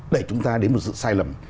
đẩy chúng ta đến một sự sai lầm